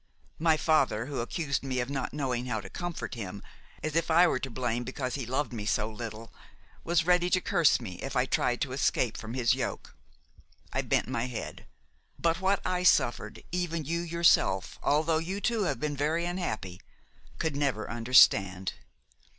My father, who accused me of not knowing how to comfort him, as if I were to blame because he loved me so little, was ready to curse me if I tried to escape from his yoke. I bent my head; but what I suffered even you yourself, although you too have been very unhappy, could never understand.